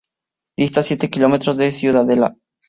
Dista siete kilómetros de Ciudadela.